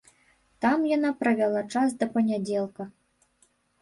Там яна правяла час да панядзелка.